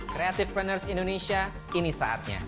creative partners indonesia kini saatnya